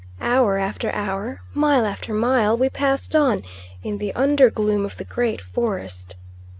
Hour after hour, mile after mile, we passed on, in the under gloom of the great forest.